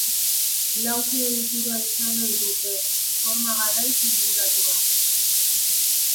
Lauki-egitura izan ohi dute, horma garaiz inguratuak.